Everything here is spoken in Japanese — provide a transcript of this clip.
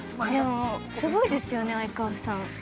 でもすごいですよね、相川さん。